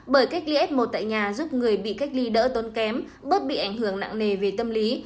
bởi cách ly f một tại nhà giúp người bị cách ly đỡ tốn kém bớt bị ảnh hưởng nặng nề về tâm lý